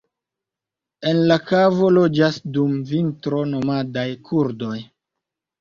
En la kavo loĝas dum vintro nomadaj kurdoj.